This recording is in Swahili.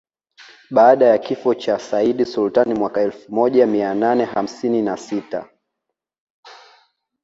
Baada ya kifo cha Sayyid Sultan mwaka elfu moja mia nane hamsini na sita